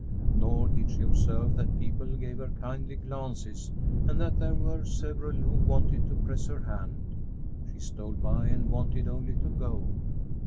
Nor did she observe that people gave her kindly glances and that there were several who wanted to press her hand. She stole by and wanted only to go.